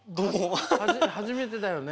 初めてだよね。